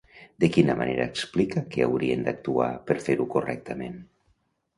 De quina manera explica que haurien d'actuar per fer-ho correctament?